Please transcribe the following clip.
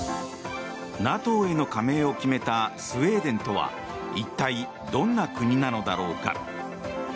ＮＡＴＯへの加盟を決めたスウェーデンとは一体どんな国なのだろうか。